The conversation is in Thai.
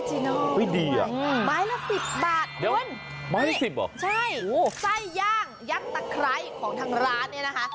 ใช่ไส้ย่างยัดตะไคร้ของทางร้านเนี่ยนะคะ